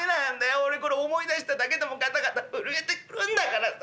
俺これ思い出しただけでもガタガタ震えてくるんだからさ。